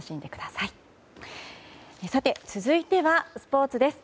さて、続いてはスポーツです。